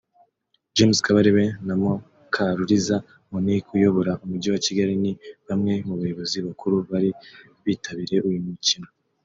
James Kabarebe na Mukaruriza Monique uyobora umujyi wa Kigali ni bamwe mu bayobozi bakuru bari bitabiriye uyu mukino